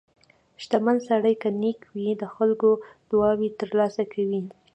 • شتمن سړی که نیک وي، د خلکو دعاوې ترلاسه کوي.